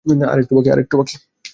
আর একটু বাকি!